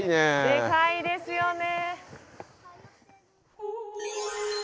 でかいですよね！